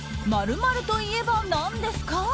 ○○と言えば何ですか？